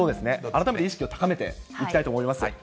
改めて意識を高めていきたいと思います。